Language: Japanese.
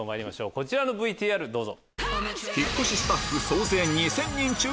こちらのＶＴＲどうぞ。